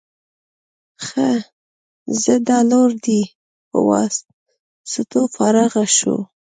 ښه ځه دا لور دې په واسطو فارغه شو.